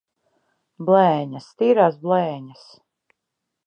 Blēņas! Tīrās blēņas!